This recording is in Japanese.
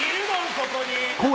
ここに。